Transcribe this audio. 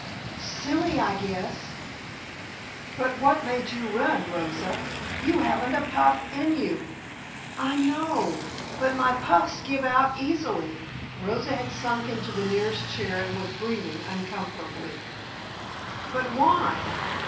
"Silly, I guess." "But what made you run, Rosa? You haven't a puff in you." "I know. But my puffs give out easily." Rosa had sunk into the nearest chair and was breathing uncomfortably. "But why?